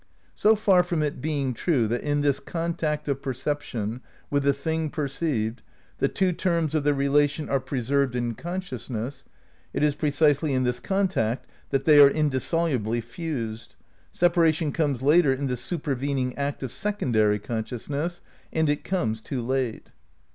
So far from it being true that in this contact of per ception with the thing perceived the two terms of the relation are preserved in consciousness, it is precisely in this contact that they are indissolubly fused. Sepa ration comes later in the supervening act of secondary consciousness ; and it comes too late.